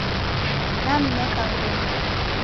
Namneka nguma